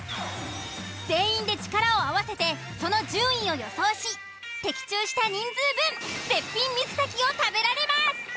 全員で力を合わせてその順位を予想し的中した人数分絶品水炊きを食べられます。